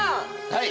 はい。